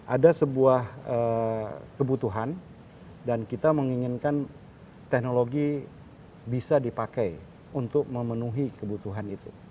ada sebuah kebutuhan dan kita menginginkan teknologi bisa dipakai untuk memenuhi kebutuhan itu